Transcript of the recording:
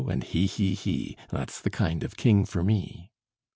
and he, he, he! That's the kind of king for me.